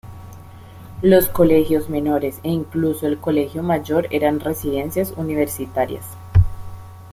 Los colegios menores, e incluso el colegio mayor, eran residencias universitarias.